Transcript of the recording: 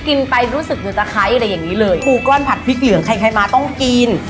กินไปรู้สึกเหมือนตะไคร้อะไรอย่างงี้เลยปูก้อนผัดพริกเหลืองใครใครมาต้องกิน